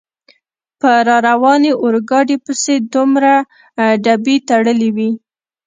په را روانې اورګاډي پسې دومره ډبې تړلې وې.